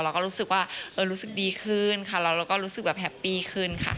เราก็รู้สึกว่ารู้สึกดีขึ้นค่ะแล้วเราก็รู้สึกแบบแฮปปี้ขึ้นค่ะ